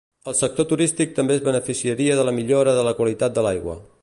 El sector turístic també es beneficiaria de la millora de la qualitat de l’aigua.